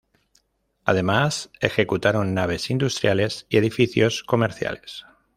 Además ejecutaron naves industriales y edificios comerciales.